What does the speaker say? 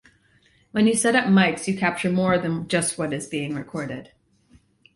When you set up mics, you capture more than just what is being recorded.